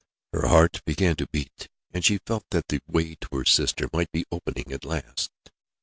Her heart began to beat, and she felt that the way to her sister might be opening at last.